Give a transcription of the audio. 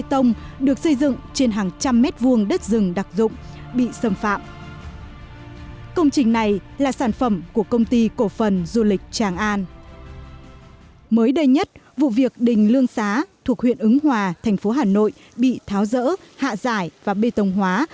mới đây nhất vụ việc đình lương xá thuộc huyện ứng hòa thành phố hà nội bị tháo rỡ hạ giải và bê tông hóa